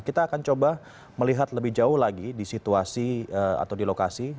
kita akan coba melihat lebih jauh lagi di situasi atau di lokasi